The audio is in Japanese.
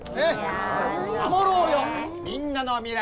「守ろうよみんなの未来